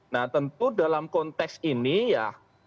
nah tentu dalam konteks ini ya